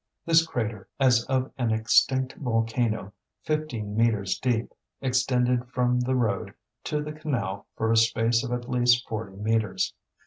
This crater, as of an extinct volcano, fifteen metres deep, extended from the road to the canal for a space of at least forty metres.